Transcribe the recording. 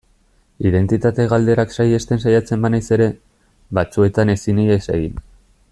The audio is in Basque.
Identitate galderak saihesten saiatzen banaiz ere, batzuetan ezin ihes egin.